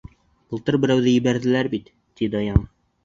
Былтыр берәүҙе ебәрҙеләр бит. — ти Даян.